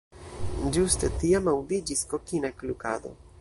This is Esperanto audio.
Ĝuste tiam, aŭdiĝis kokina klukado.